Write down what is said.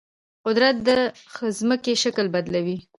قدرت د ځمکې شکل بدلوي.